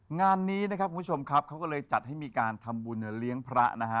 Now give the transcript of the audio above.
งานนี้นะครับคุณผู้ชมครับเขาก็เลยจัดให้มีการทำบุญเลี้ยงพระนะฮะ